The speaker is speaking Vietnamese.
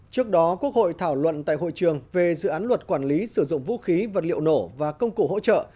trước đó quốc hội thảo luận tại hội trường về dự án luật quản lý sử dụng vũ khí vật liệu nổ và công cụ hỗ trợ